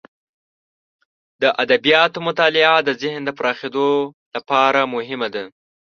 د ادبیاتو مطالعه د ذهن د پراخیدو لپاره مهمه ده.